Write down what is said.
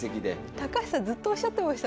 高橋さんずっとおっしゃってましたもんね。